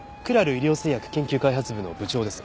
医療製薬研究開発部の部長です。